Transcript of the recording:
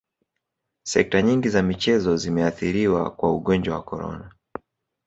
sekta nyingi za michezo zimeathiriwa kwa ugonjwa wa corona